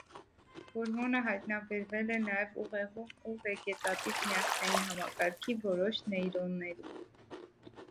Հորմոնը հայտնաբերվել է նաև ուղեղում ու վեգետատիվ նյարդային համակարգի որոշ նեյրոններում։